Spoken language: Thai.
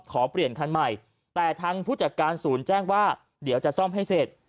ขอเปลี่ยนคันใหม่แต่ทางผู้จัดการศูนย์แจ้งว่าเดี๋ยวจะซ่อมให้เสร็จ